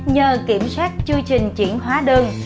nhờ kiểm soát chư trình chuyển hóa đường